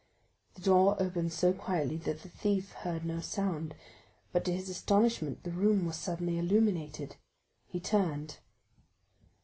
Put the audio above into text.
The door opened so quietly that the thief heard no sound; but, to his astonishment, the room was suddenly illuminated. He turned.